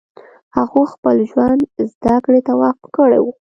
هغو خپل ژوند زدکړې ته وقف کړی و